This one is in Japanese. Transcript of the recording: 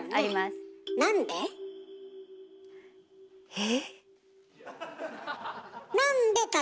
え？